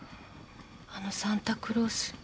あのサンタクロース。